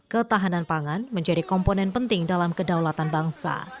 ketahanan pangan menjadi komponen penting dalam kedaulatan bangsa